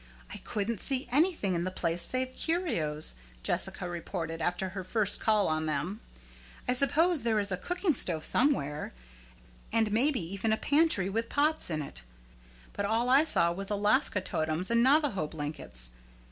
"I couldn't see anything in the place save curios," Jessica reported, after her first call on them. "I suppose there is a cookingstove somewhere, and maybe even a pantry with pots in it. But all I saw was Alaska totems and Navajo blankets.